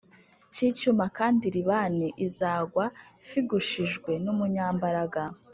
cy icyuma kandi Libani izagwa f igushijwe n umunyambaraga